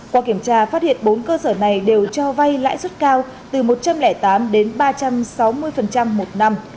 qua kiểm tra phát hiện bốn cơ sở này đều cho vay lãi suất cao từ một trăm linh tám đến ba trăm sáu mươi một năm